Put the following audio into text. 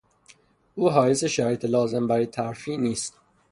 او حایز شرایط لازم برای ترفیع نیست.